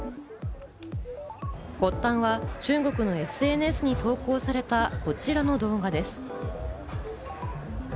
発端は中国のＳＮＳに投稿されたこちらの動画です。